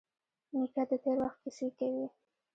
نیکه د تېر وخت کیسې کوي.